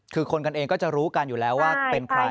คือคนกันเองก็จะรู้กันอยู่แล้วว่าเป็นใคร